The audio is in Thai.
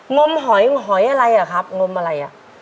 งมหอยหอยอะไรอ่ะครับงมอะไรอ่ะ